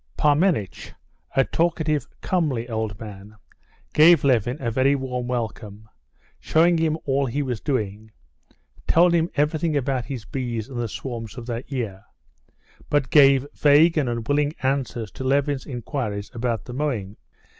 Parmenitch, a talkative, comely old man, gave Levin a very warm welcome, showed him all he was doing, told him everything about his bees and the swarms of that year; but gave vague and unwilling answers to Levin's inquiries about the mowing.